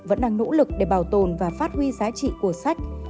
vẫn đang nỗ lực để bảo tồn và phát huy giá trị của sách